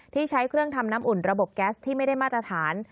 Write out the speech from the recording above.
ใช้เครื่องทำน้ำอุ่นระบบแก๊สที่ไม่ได้มาตรฐาน